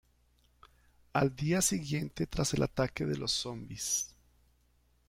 Al día siguiente tras el ataque de los zombis.